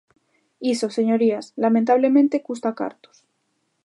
Iso, señorías, lamentablemente custa cartos.